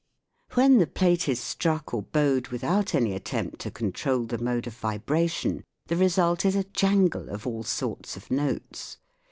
When the plate is struck or bowed without any attempt to control the mode of vibration, the result is a jangle of all sorts of notes.